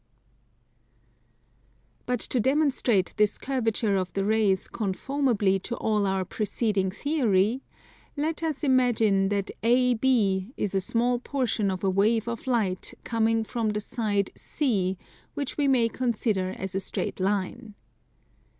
But to demonstrate this curvature of the rays conformably to all our preceding Theory, let us imagine that AB is a small portion of a wave of light coming from the side C, which we may consider as a straight line.